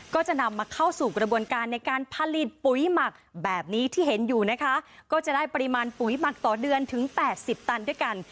ก็จะนำมาเข้าสู่กระบวนการในการผลิตปุ๋ยหมักแบบนี้ที่เห็นอยู่นะคะก็จะได้ปริมาณปุ๋ยหมักต่อเดือนถึงแปดสิบตันด้วยกัน